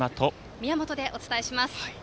宮本とお伝えします。